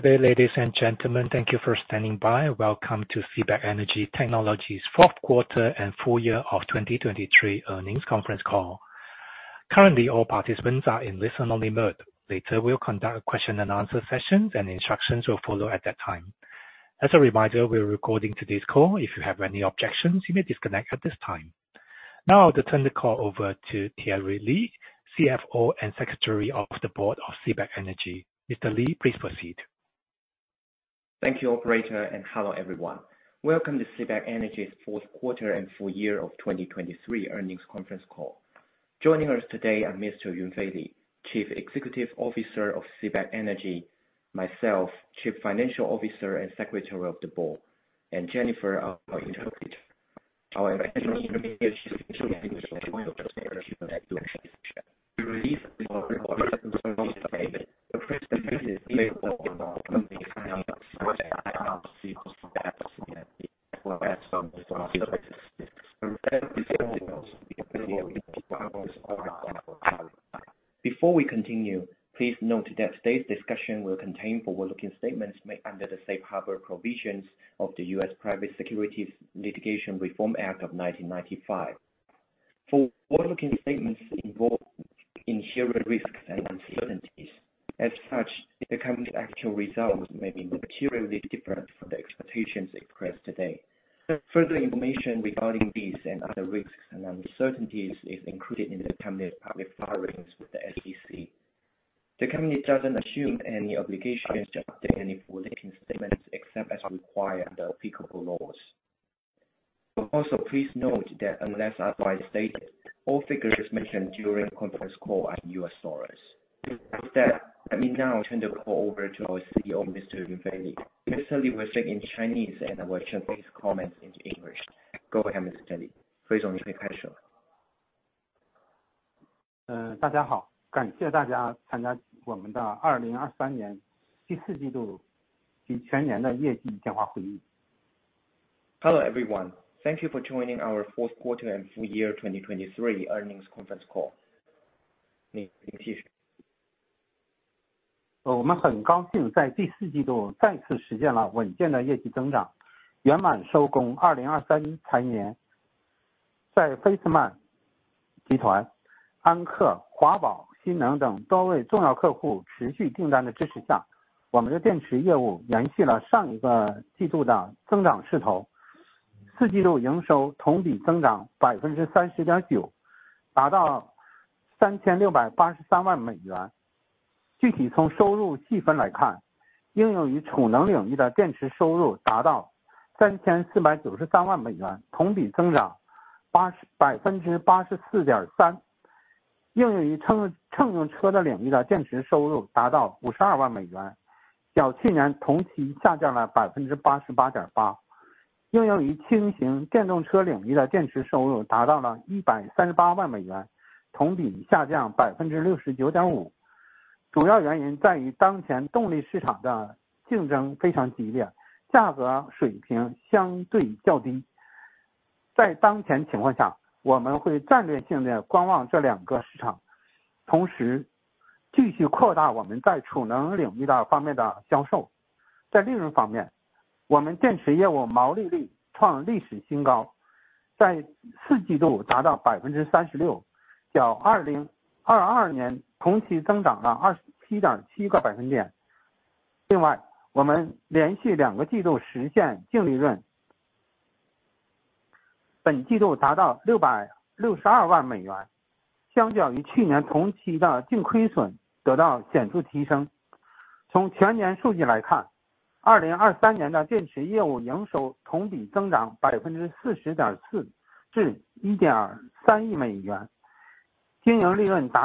Dear ladies and gentlemen, thank you for standing by. Welcome to CBAK Energy Technology's fourth quarter and full year of 2023 earnings conference call. Currently, all participants are in listen-only mode. Later, we'll conduct question-and-answer sessions, and instructions will follow at that time. As a reminder, we're recording today's call. If you have any objections, you may disconnect at this time. Now I'll turn the call over to Jiewei Tian, CFO and Secretary of the Board of CBAK Energy. Mr. Li, please proceed. Thank you, Operator, and hello everyone. Welcome to CBAK Energy's fourth quarter and full year of 2023 earnings conference call. Joining us today are Mr. Yunfei Li, Chief Executive Officer of CBAK Energy; myself, Chief Financial Officer and Secretary of the Board; and Jennifer, our interpreter. Our international interpreter is speaking English and Japanese just to make sure that you understand. We release our reports on the company's financial statements as well as on the services. Before we continue, please note that today's discussion will contain forward-looking statements made under the Safe Harbor provisions of the U.S. Private Securities Litigation Reform Act of 1995. Forward-looking statements involve inherent risks and uncertainties. As such, the company's actual results may be materially different from the expectations expressed today. Further information regarding these and other risks and uncertainties is included in the company's public filings with the SEC. The company doesn't assume any obligations to update any forward-looking statements except as required under applicable laws. Also, please note that unless otherwise stated, all figures mentioned during the conference call are in U.S. dollars. With that, let me now turn the call over to our CEO, Mr. Yunfei Li. Mr. Li will speak in Chinese and our Chief Executive's comments in English. Go ahead, Mr. Li. Please don't take pressure. 大家好，感谢大家参加我们的2023年第四季度及全年的业绩电话会议。Hello everyone. Thank you for joining our fourth quarter and full year 2023 earnings conference call. Sorry, I mute myself. Right? We are pleased to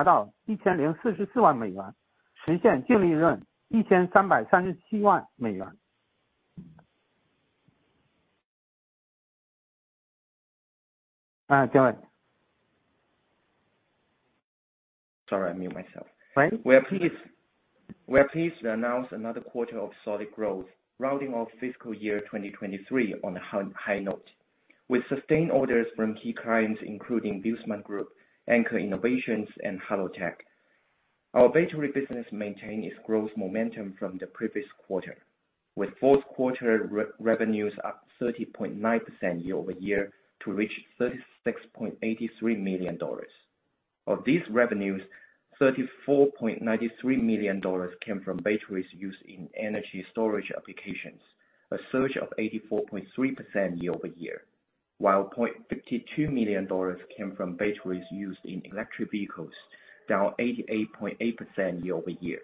announce another quarter of solid growth, rounding off fiscal year 2023 on a high note. We sustain orders from key clients including Viessmann Group, Anker Innovations, and Hello Tech. Our battery business maintains its growth momentum from the previous quarter, with fourth quarter revenues up 30.9% year-over-year to reach $36.83 million. Of these revenues, $34.93 million came from batteries used in energy storage applications, a surge of 84.3% year-over-year, while $0.52 million came from batteries used in electric vehicles, down 88.8% year-over-year.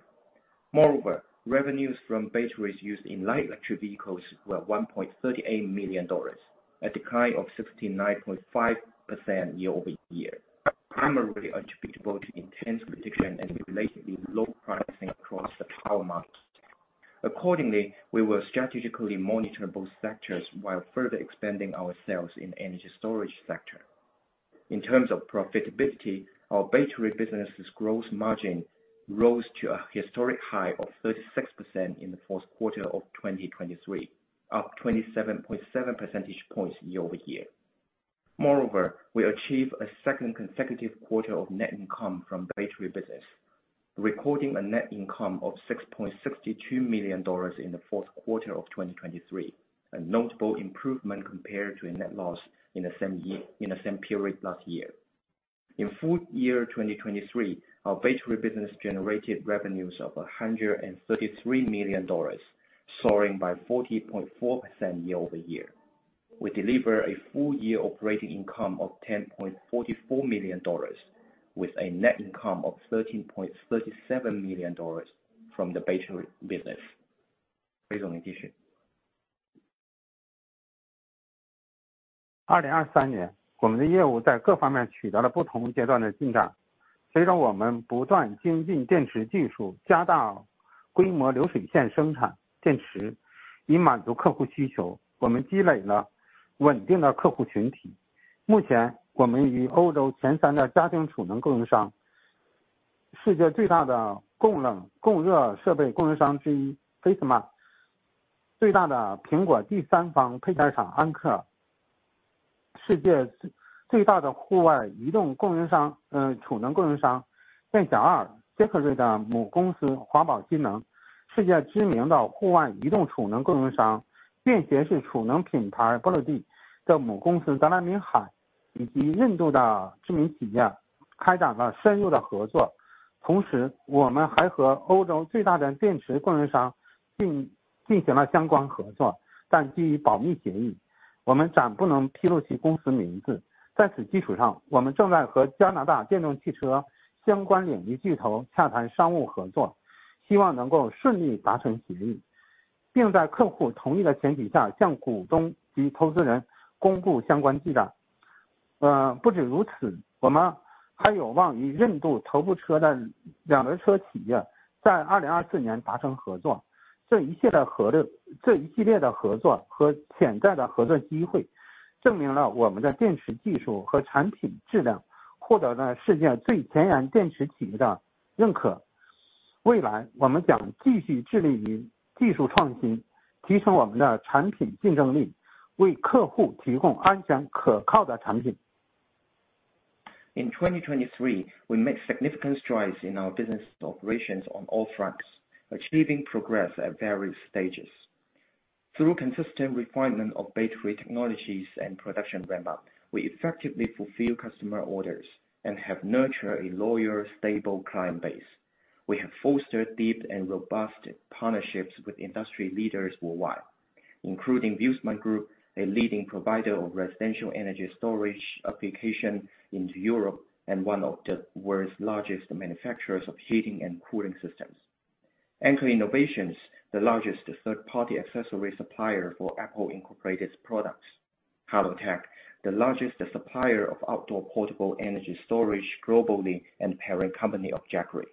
Moreover, revenues from batteries used in light electric vehicles were $1.38 million, a decline of 69.5% year-over-year, primarily attributable to intense production and relatively low pricing across the power market. Accordingly, we will strategically monitor both sectors while further expanding our sales in the energy storage sector. In terms of profitability, our battery business's growth margin rose to a historic high of 36% in the fourth quarter of 2023, up 27.7 percentage points year-over-year. Moreover, we achieved a second consecutive quarter of net income from battery business, recording a net income of $6.62 million in the fourth quarter of 2023, a notable improvement compared to a net loss in the same period last year. In full year 2023, our battery business generated revenues of $133 million, soaring by 40.4% year-over-year. We delivered a full year operating income of $10.44 million, with a net income of $13.37 million from the battery business. Please don't interrupt. 2023年，我们的业务在各方面取得了不同阶段的进展。随着我们不断精进电池技术，加大规模流水线生产电池，以满足客户需求，我们积累了稳定的客户群体。目前，我们与欧洲前三的家庭储能供应商、世界最大的供冷供热设备供应商之一飞斯曼、最大的苹果第三方配件厂安克、世界最大的户外移动供应商储能供应商电小二杰克瑞的母公司华宝新能、世界知名的户外移动储能供应商便携式储能品牌铂陆帝的母公司德兰明海，以及印度的知名企业开展了深入的合作。同时，我们还和欧洲最大的电池供应商进行了相关合作，但基于保密协议，我们暂不能披露其公司名字。在此基础上，我们正在和加拿大电动汽车相关领域巨头洽谈商务合作，希望能够顺利达成协议，并在客户同意的前提下，向股东及投资人公布相关进展。嗯，不止如此，我们还有望与印度头部车的两轮车企业在2024年达成合作。这一系列的合作和潜在的合作机会，证明了我们的电池技术和产品质量获得了世界最前沿电池企业的认可。未来，我们将继续致力于技术创新，提升我们的产品竞争力，为客户提供安全可靠的产品。In 2023, we made significant strides in our business operations on all fronts, achieving progress at various stages. Through consistent refinement of battery technologies and production ramp-up, we effectively fulfill customer orders and have nurtured a loyal, stable client base. We have fostered deep and robust partnerships with industry leaders worldwide, including Viessmann Group, a leading provider of residential energy storage applications in Europe and one of the world's largest manufacturers of heating and cooling systems, Anker Innovations, the largest third-party accessory supplier for Apple Incorporated's products, Halotech, the largest supplier of outdoor portable energy storage globally and parent company of Jackery,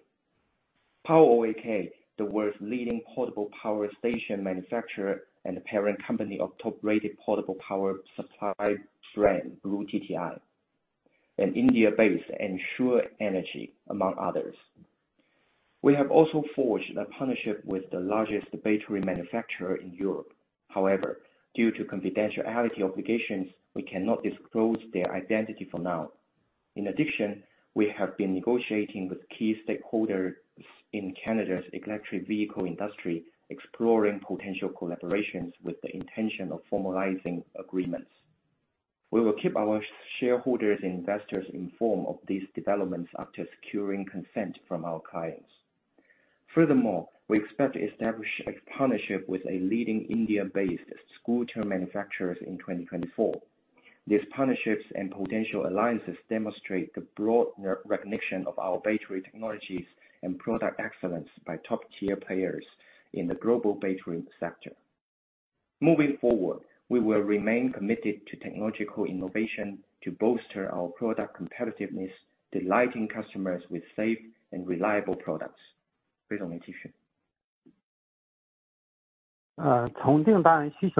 PowerOak, the world's leading portable power station manufacturer and parent company of top-rated portable power supply brand BLUETTI, and India-based Enser, among others. We have also forged a partnership with the largest battery manufacturer in Europe. However, due to confidentiality obligations, we cannot disclose their identity for now. In addition, we have been negotiating with key stakeholders in Canada's electric vehicle industry, exploring potential collaborations with the intention of formalizing agreements. We will keep our shareholders and investors informed of these developments after securing consent from our clients. Furthermore, we expect to establish a partnership with a leading India-based scooter manufacturer in 2024. These partnerships and potential alliances demonstrate the broad recognition of our battery technologies and product excellence by top-tier players in the global battery sector. Moving forward, we will remain committed to technological innovation to bolster our product competitiveness, delighting customers with safe and reliable products. Please don't interrupt me.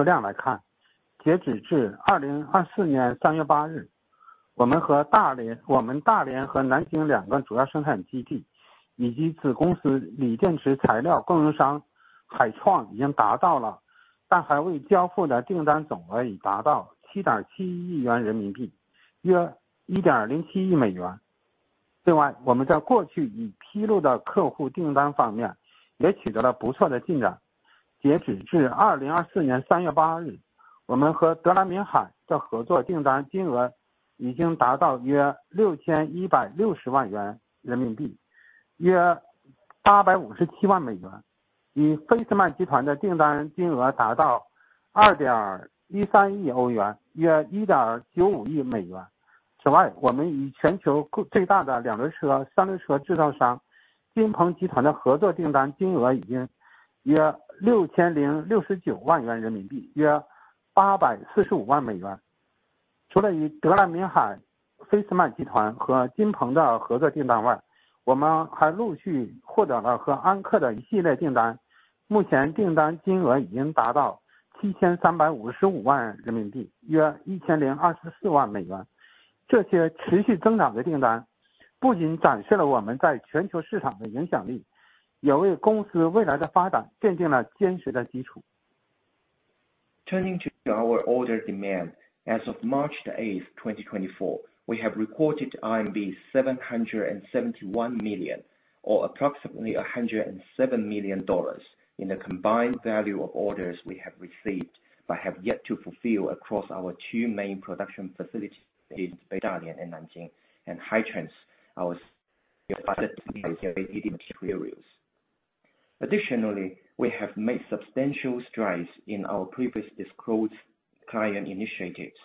Turning to our order demand, as of March the 8th, 2024, we have recorded RMB 771 million, or approximately $107 million, in the combined value of orders we have received but have yet to fulfill across our two main production facilities in Dalian and Nanjing, and Hitrans, our subsidiary in raw materials production. Additionally, we have made substantial strides in our previous disclosed client initiatives.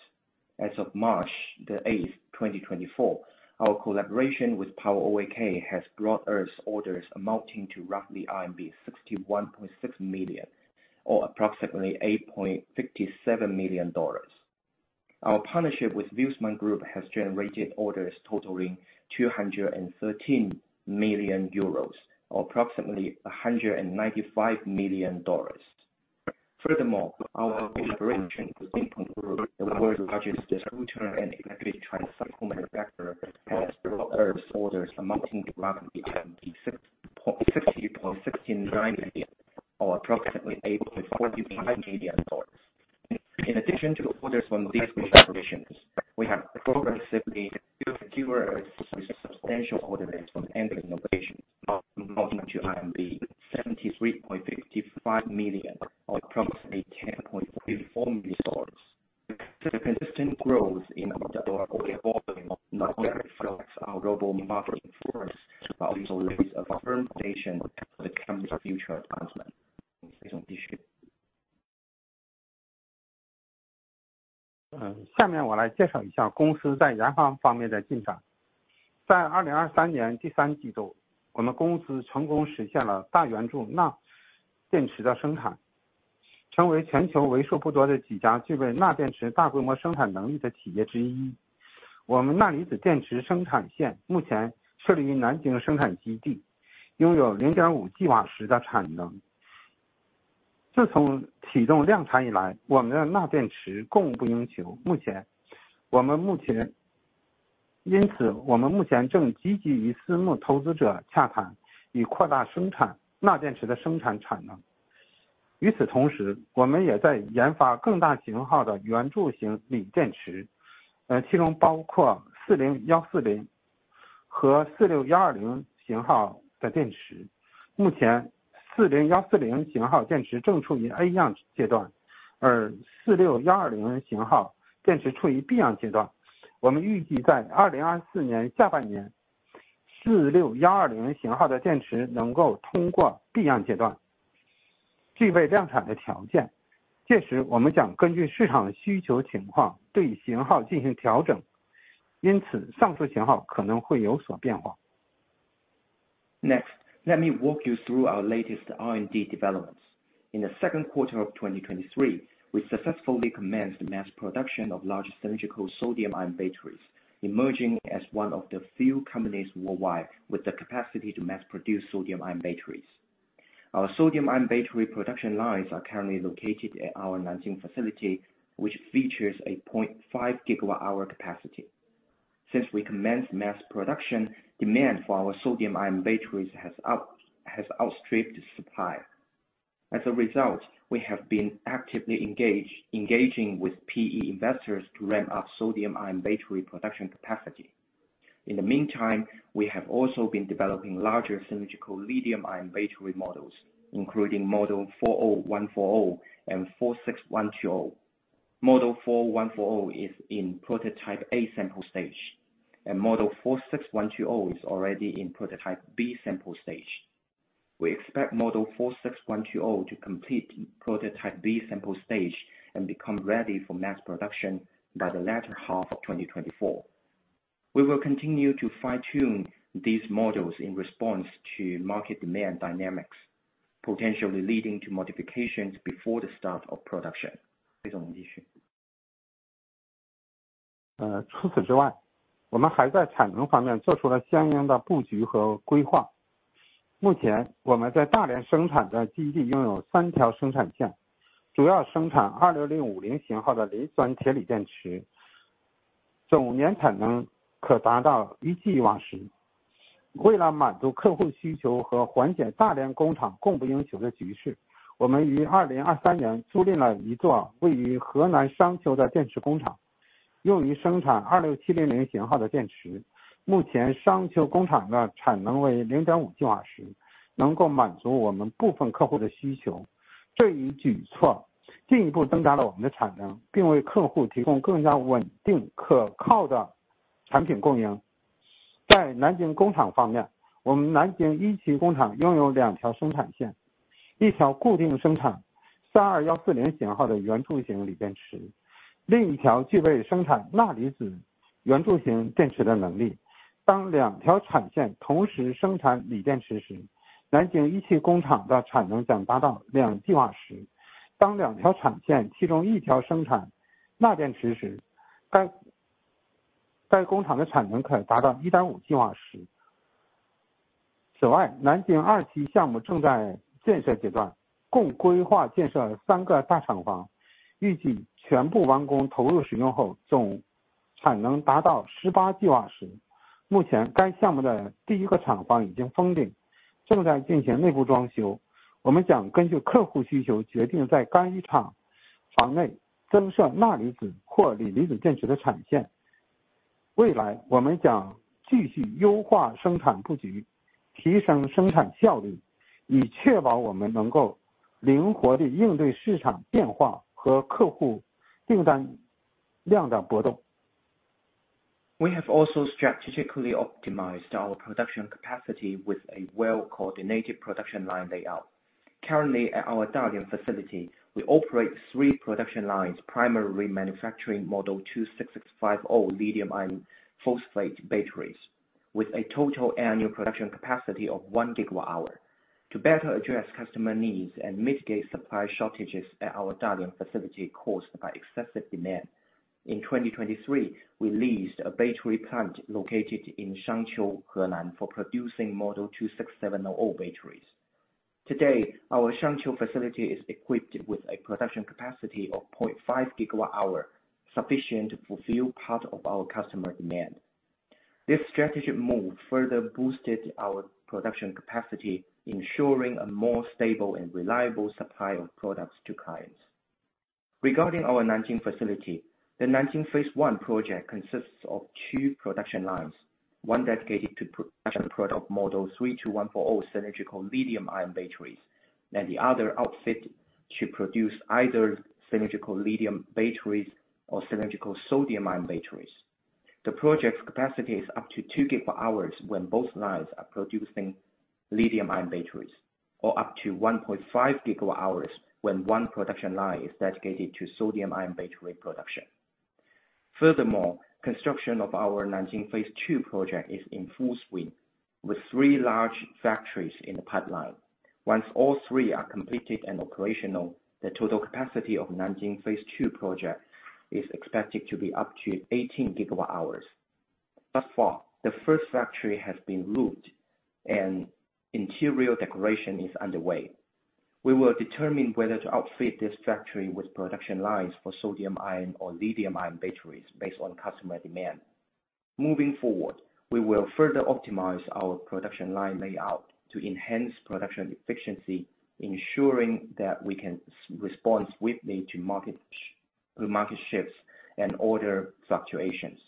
As of March the 8th, 2024, our collaboration with PowerOak has brought us orders amounting to roughly RMB 61.6 million, or approximately $8.57 million. Our partnership with Viessmann Group has generated orders totaling 213 million euros, or approximately $195 million. Furthermore, our collaboration with Jinpeng Group, the world's largest scooter and electric tricycle manufacturer, has brought us orders amounting to roughly 60.69 million, or approximately $8.45 million. In addition to orders from these collaborations, we have progressively secured substantial orders from Anker Innovations, amounting to CNY 73.55 million, or approximately $10.54 million. The consistent growth in our order volume not only reflects our global market influence, but also lays a firm foundation for the company's future advancement. Next, let me walk you through our latest R&D developments. In the second quarter of 2023, we successfully commenced mass production of large cylindrical sodium-ion batteries, emerging as one of the few companies worldwide with the capacity to mass produce sodium-ion batteries. Our sodium-ion battery production lines are currently located at our Nanjing facility, which features a 0.5 GWh capacity. Since we commenced mass production, demand for our sodium-ion batteries has outstripped supply. As a result, we have been actively engaging with PE investors to ramp up sodium-ion battery production capacity. In the meantime, we have also been developing larger cylindrical lithium-ion battery models, including model 40140 and 46120. Model 40140 is in prototype A-sample stage, and model 46120 is already in prototype B-sample stage. We expect model 46120 to complete prototype B-sample stage and become ready for mass production by the latter half of 2024. We will continue to fine-tune these models in response to market demand dynamics, potentially leading to modifications before the start of production. We have also strategically optimized our production capacity with a well-coordinated production line layout. Currently, at our Dalian facility, we operate three production lines primarily manufacturing model 26650 lithium iron phosphate batteries, with a total annual production capacity of 1 GWh. To better address customer needs and mitigate supply shortages at our Dalian facility caused by excessive demand, in 2023, we leased a battery plant located in Shangqiu, Henan, for producing model 26700 batteries. Today, our Shangqiu facility is equipped with a production capacity of 0.5 GWh, sufficient to fulfill part of our customer demand. This strategic move further boosted our production capacity, ensuring a more stable and reliable supply of products to clients. Regarding our Nanjing facility, the Nanjing Phase One project consists of two production lines: one dedicated to production product model 32140 cylindrical lithium-ion batteries, and the other outfit should produce either cylindrical lithium batteries or cylindrical sodium-ion batteries. The project capacity is up to 2 GWh when both lines are producing lithium-ion batteries, or up to 1.5 GWh when one production line is dedicated to sodium-ion battery production. Furthermore, construction of our Nanjing Phase Two project is in full swing, with three large factories in the pipeline. Once all three are completed and operational, the total capacity of the Nanjing Phase Two project is expected to be up to 18 GWh. Thus far, the first factory has been roofed, and interior decoration is underway. We will determine whether to outfit this factory with production lines for sodium-ion or lithium-ion batteries based on customer demand. Moving forward, we will further optimize our production line layout to enhance production efficiency, ensuring that we can respond swiftly to market shifts and order fluctuations.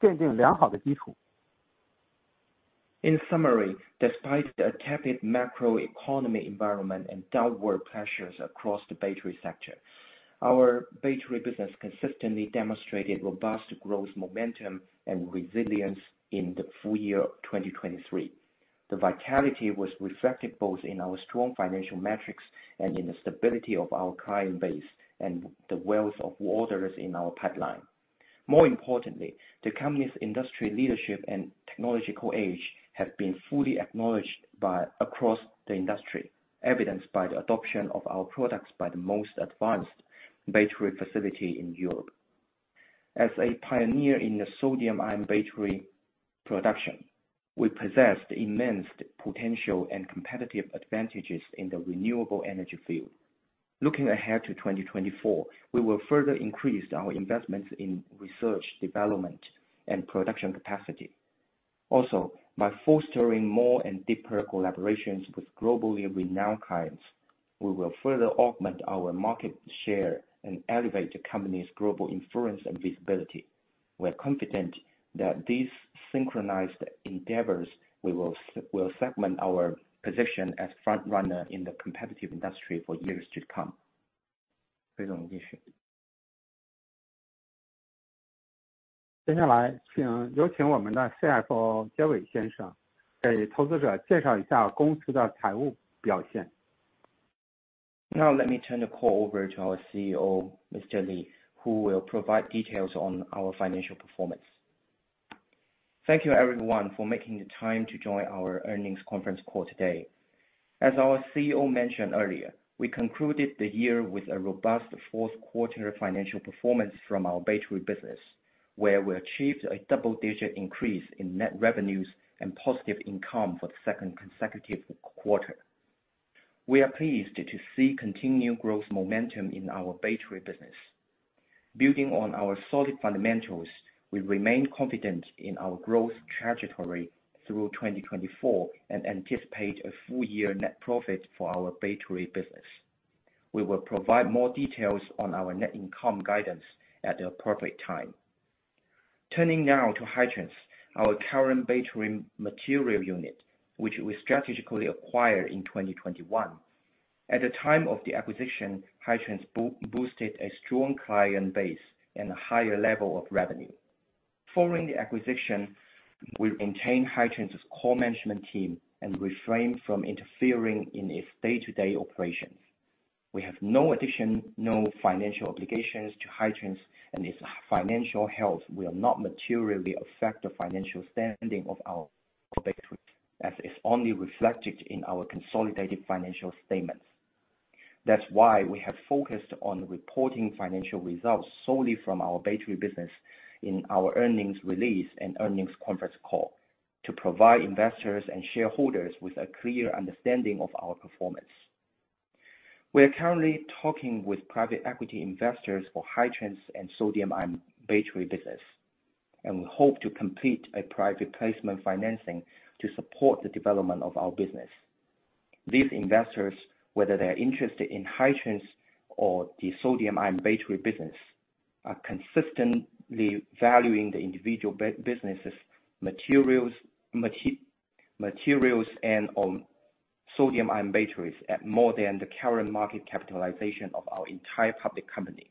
In summary, despite the accepted macroeconomic environment and downward pressures across the battery sector, our battery business consistently demonstrated robust growth momentum and resilience in the full year of 2023. The vitality was reflected both in our strong financial metrics and in the stability of our client base and the wealth of orders in our pipeline. More importantly, the company's industry leadership and technological edge have been fully acknowledged across the industry, evidenced by the adoption of our products by the most advanced battery facility in Europe. As a pioneer in the sodium-ion battery production, we possess the immense potential and competitive advantages in the renewable energy field. Looking ahead to 2024, we will further increase our investments in research, development, and production capacity. Also, by fostering more and deeper collaborations with globally renowned clients, we will further augment our market share and elevate the company's global influence and visibility. We are confident that these synchronized endeavors will cement our position as front-runner in the competitive industry for years to come. 接下来请有请我们的CFO Jiewei先生给投资者介绍一下公司的财务表现。Now let me turn the call over to our CEO, Mr. Li, who will provide details on our financial performance. Thank you, everyone, for making the time to join our earnings conference call today. As our CEO mentioned earlier, we concluded the year with a robust fourth-quarter financial performance from our battery business, where we achieved a double-digit increase in net revenues and positive income for the second consecutive quarter. We are pleased to see continued growth momentum in our battery business. Building on our solid fundamentals, we remain confident in our growth trajectory through 2024 and anticipate a full-year net profit for our battery business. We will provide more details on our net income guidance at the appropriate time. Turning now to Hitrans, our current battery material unit, which we strategically acquired in 2021. At the time of the acquisition, Hitrans boosted a strong client base and a higher level of revenue. Following the acquisition, we retained Hitrans's core management team and refrained from interfering in its day-to-day operations. We have no additional financial obligations to Hitrans, and its financial health will not materially affect the financial standing of our battery, as it's only reflected in our consolidated financial statements. That's why we have focused on reporting financial results solely from our battery business in our earnings release and earnings conference call, to provide investors and shareholders with a clear understanding of our performance. We are currently talking with private equity investors for Hitrans and sodium-ion battery business, and we hope to complete a private placement financing to support the development of our business. These investors, whether they are interested in Hitrans or the sodium-ion battery business, are consistently valuing the individual businesses' materials and/or sodium-ion batteries at more than the current market capitalization of our entire public company.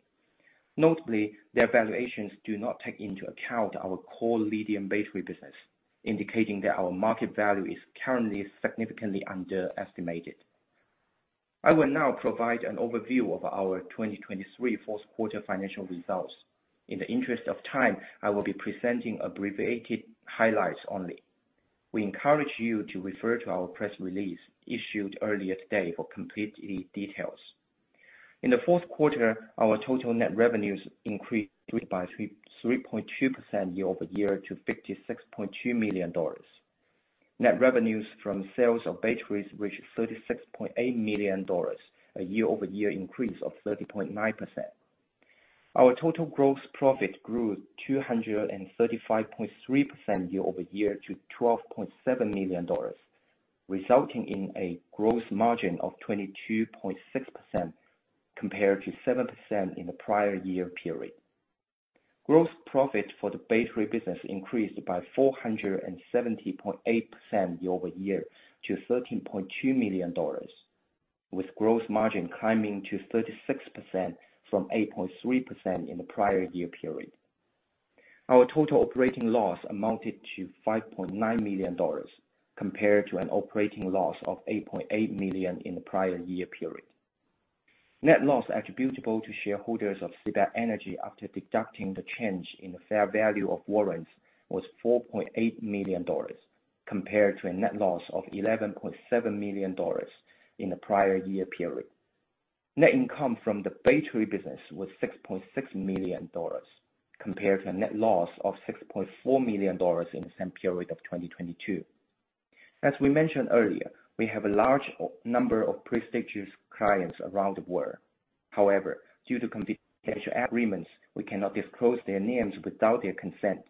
Notably, their valuations do not take into account our core lithium battery business, indicating that our market value is currently significantly underestimated. I will now provide an overview of our 2023 fourth-quarter financial results. In the interest of time, I will be presenting abbreviated highlights only. We encourage you to refer to our press release issued earlier today for complete details. In the fourth quarter, our total net revenues increased by 3.2% year-over-year to $56.2 million. Net revenues from sales of batteries reached $36.8 million, a year-over-year increase of 30.9%. Our total gross profit grew 235.3% year-over-year to $12.7 million, resulting in a gross margin of 22.6% compared to 7% in the prior year period. Gross profit for the battery business increased by 470.8% year-over-year to $13.2 million, with gross margin climbing to 36% from 8.3% in the prior year period. Our total operating loss amounted to $5.9 million compared to an operating loss of $8.8 million in the prior year period. Net loss attributable to shareholders of CBAK Energy after deducting the change in the fair value of warrants was $4.8 million compared to a net loss of $11.7 million in the prior year period. Net income from the battery business was $6.6 million compared to a net loss of $6.4 million in the same period of 2022. As we mentioned earlier, we have a large number of prestigious clients around the world. However, due to confidential agreements, we cannot disclose their names without their consent.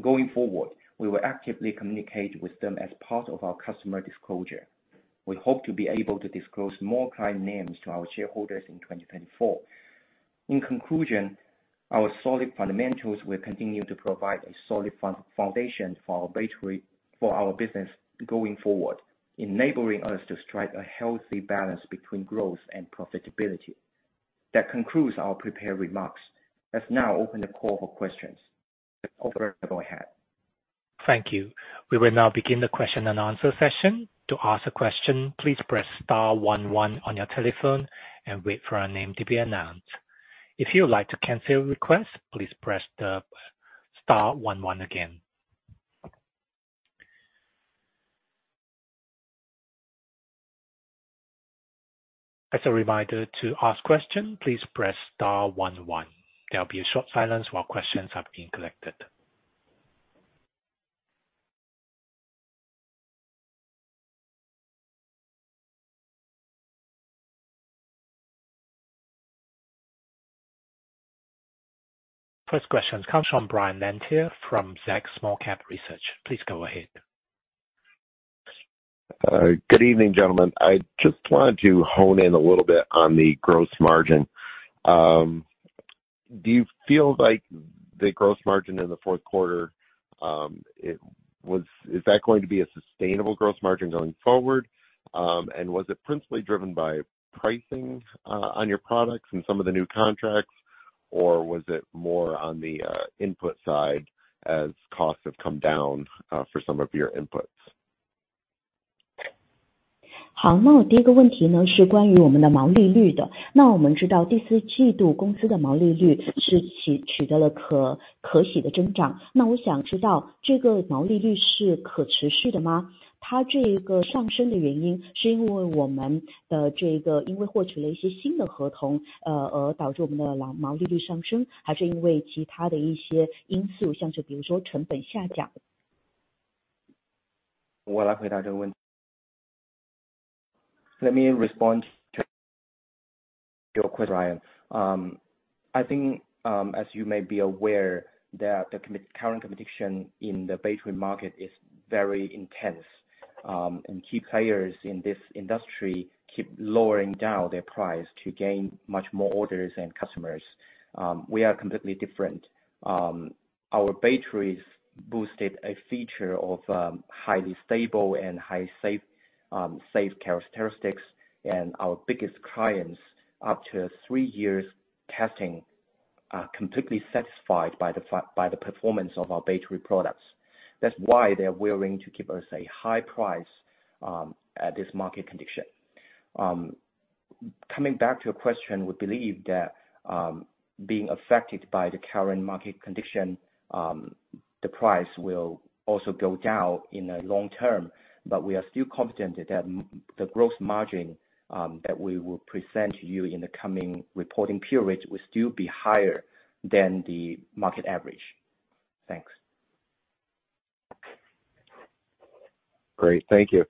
Going forward, we will actively communicate with them as part of our customer disclosure. We hope to be able to disclose more client names to our shareholders in 2024. In conclusion, our solid fundamentals will continue to provide a solid foundation for our business going forward, enabling us to strike a healthy balance between growth and profitability. That concludes our prepared remarks. Let's now open the call for questions. Operator, go ahead. Thank you. We will now begin the question-and-answer session. To ask a question, please press star one one on your telephone and wait for our name to be announced. If you would like to cancel your request, please press the star one one again. As a reminder, to ask questions, please press star one one. There will be a short silence while questions are being collected. First question comes from Brian Denyeau from Zacks Small-Cap Research. Please go ahead. Good evening, gentlemen. I just wanted to hone in a little bit on the gross margin. Do you feel like the gross margin in the fourth quarter, is that going to be a sustainable gross margin going forward? And was it principally driven by pricing on your products and some of the new contracts, or was it more on the input side as costs have come down for some of your inputs? 好，那我第一个问题是关于我们的毛利率的。我们知道第四季度公司的毛利率是取得了可喜的增长。我想知道这个毛利率是可持续的吗？它这个上升的原因是因为我们的这个因为获取了一些新的合同而导致我们的毛利率上升，还是因为其他的一些因素，像是比如说成本下降？ Let me respond to your question, Brian. I think, as you may be aware, the current competition in the battery market is very intense, and key players in this industry keep lowering down their price to gain much more orders and customers. We are completely different. Our batteries boast a feature of highly stable and highly safe characteristics, and our biggest clients, up to three years testing, are completely satisfied by the performance of our battery products. That's why they're willing to give us a high price at this market condition. Coming back to your question, we believe that being affected by the current market condition, the price will also go down in the long term, but we are still confident that the gross margin that we will present to you in the coming reporting period will still be higher than the market average. Thanks. Great. Thank you.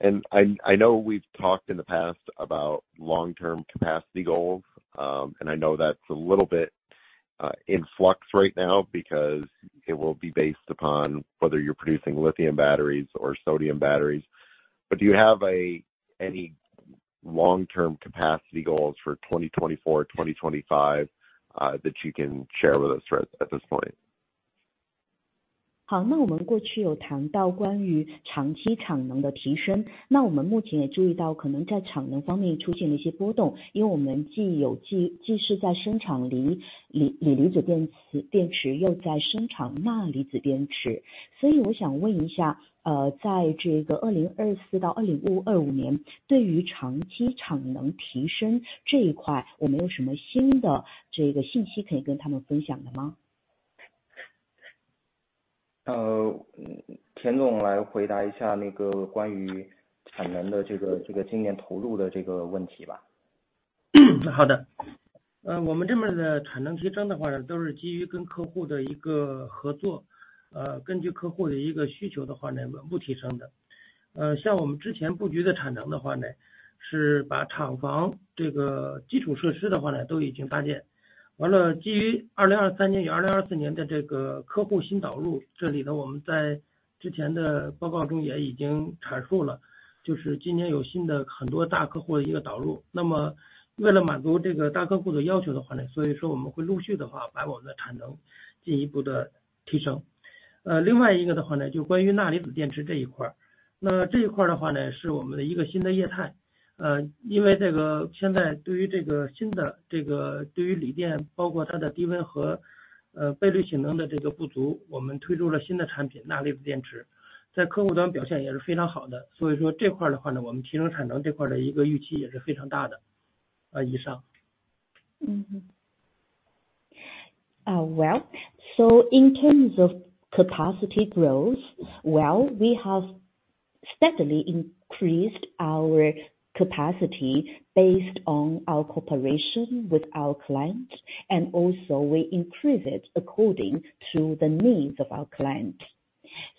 And I know we've talked in the past about long-term capacity goals, and I know that's a little bit in flux right now because it will be based upon whether you're producing lithium batteries or sodium batteries. But do you have any long-term capacity goals for 2024, 2025 that you can share with us at this point? Well, so in terms of capacity growth, well, we have steadily increased our capacity based on our cooperation with our clients, and also we increased it according to the needs of our clients.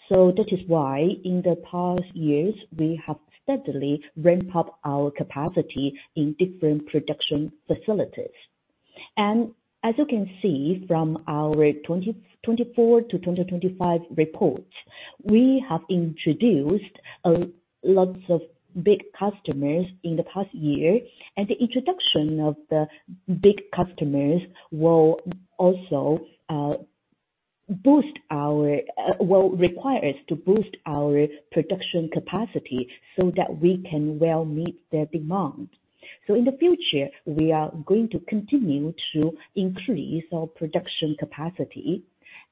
So that is why in the past years, we have steadily ramped up our capacity in different production facilities. And as you can see from our 2024 to 2025 reports, we have introduced lots of big customers in the past year, and the introduction of the big customers will require us to boost our production capacity so that we can well meet their demand. So in the future, we are going to continue to increase our production capacity.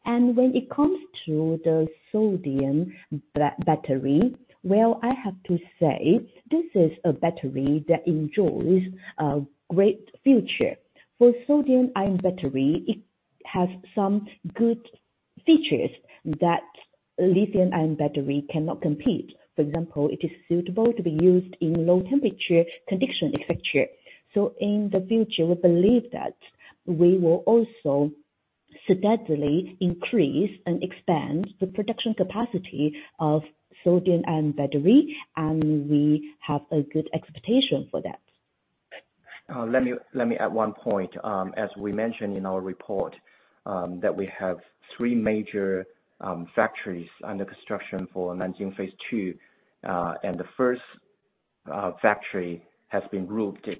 And when it comes to the sodium battery, well, I have to say this is a battery that enjoys a great future. For sodium-ion battery, it has some good features that lithium-ion battery cannot compete. For example, it is suitable to be used in low-temperature conditions, etc. So in the future, we believe that we will also steadily increase and expand the production capacity of sodium-ion battery, and we have a good expectation for that. Let me add one point. As we mentioned in our report, we have three major factories under construction for Nanjing Phase Two, and the first factory has been routed.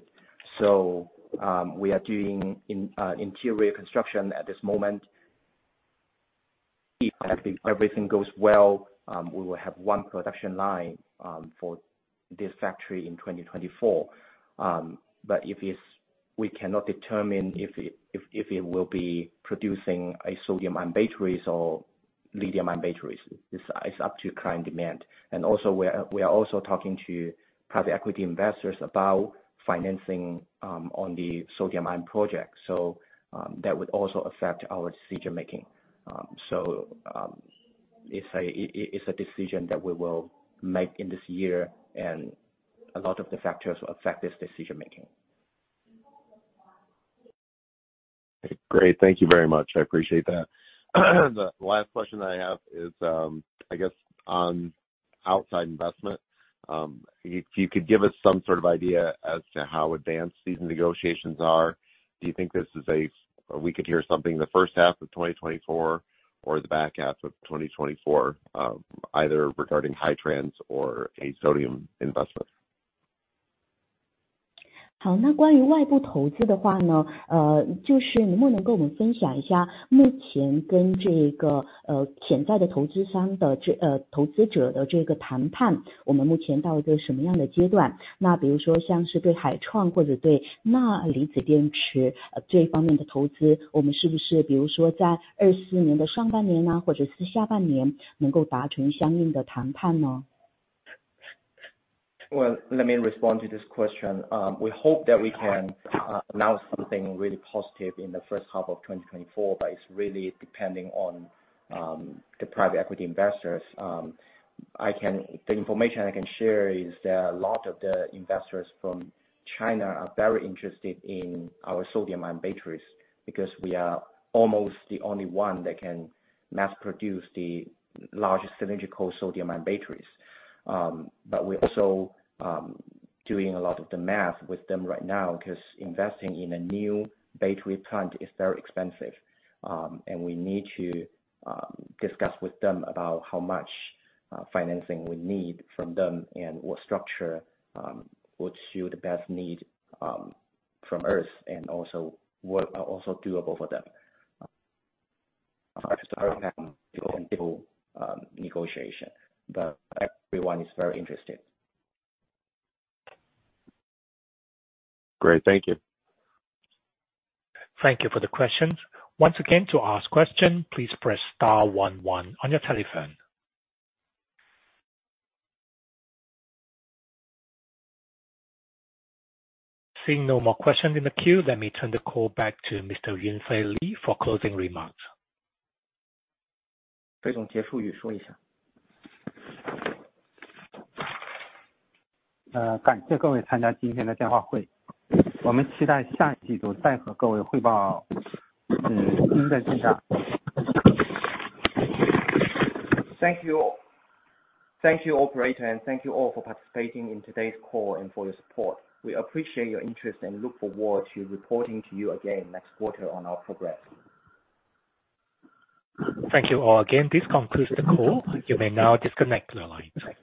So we are doing interior construction at this moment. If everything goes well, we will have one production line for this factory in 2024. But we cannot determine if it will be producing sodium-ion batteries or lithium-ion batteries. It's up to client demand. And we are also talking to private equity investors about financing on the sodium-ion project, so that would also affect our decision-making. So it's a decision that we will make in this year, and a lot of the factors will affect this decision-making. Great. Thank you very much. I appreciate that. The last question that I have is, I guess, on outside investment. If you could give us some sort of idea as to how advanced these negotiations are, do you think this is a we could hear something the first half of 2024 or the back half of 2024, either regarding Hitrans or a sodium investment? Well, let me respond to this question. We hope that we can announce something really positive in the first half of 2024, but it's really depending on the private equity investors. The information I can share is that a lot of the investors from China are very interested in our sodium-ion batteries because we are almost the only one that can mass-produce the large cylindrical sodium-ion batteries. But we're also doing a lot of the math with them right now because investing in a new battery plant is very expensive, and we need to discuss with them about how much financing we need from them and what structure would suit the best need from us and also doable for them. I just don't know how to go into negotiation, but everyone is very interested. Great. Thank you. Thank you for the questions. Once again, to ask questions, please press star one one on your telephone. Seeing no more questions in the queue, let me turn the call back to Mr. Yunfei Li for closing remarks. 最终结束语说一下。感谢各位参加今天的电话会。我们期待下一季度再和各位汇报新的进展。Thank you all. Thank you, operator, and thank you all for participating in today's call and for your support. We appreciate your interest and look forward to reporting to you again next quarter on our progress. Thank you all again. This concludes the call. You may now disconnect the line.